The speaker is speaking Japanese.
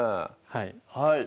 はい